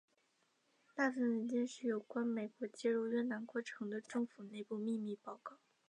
那份文件是有关美国介入越南过程的政府内部秘密报告。